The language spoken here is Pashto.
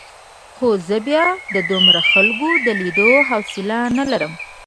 خو زه بیا د دومره خلکو د لیدو حوصله نه لرم.